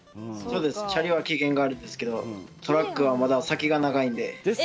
チャリは期限があるんですけどトラックはまだ先が長いんで。